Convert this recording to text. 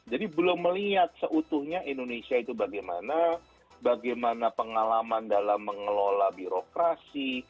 jadi belum melihat seutuhnya indonesia itu bagaimana bagaimana pengalaman dalam mengelola birokrasi